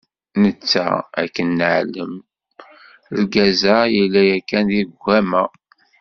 Netta akken neεlem, lgaz-a, yella yakan deg ugama.